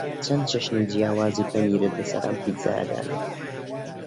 چەند چەشنی جیاوازی پەنیرت لەسەر ئەم پیتزایە دانا؟